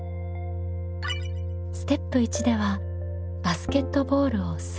ステップ１ではバスケットボールを「する」